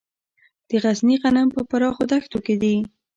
د غزني غنم په پراخو دښتو کې دي.